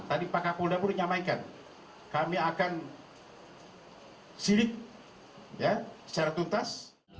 tadi pak kapolda pun menyampaikan kami akan sidik secara tuntas